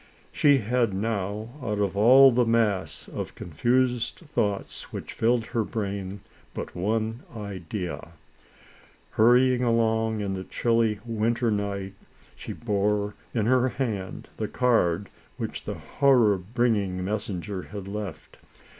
She had now, out of all the mass of confused thoughts which filled her brain, but one idea. Hurrying along, in the chilly winter night, she bore, in her hand, the card, which the horror bringing messenger had left.